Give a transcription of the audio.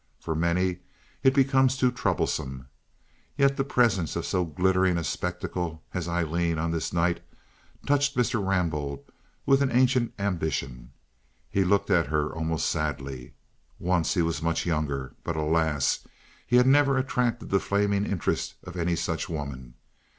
For many it becomes too troublesome. Yet the presence of so glittering a spectacle as Aileen on this night touched Mr. Rambaud with an ancient ambition. He looked at her almost sadly. Once he was much younger. But alas, he had never attracted the flaming interest of any such woman.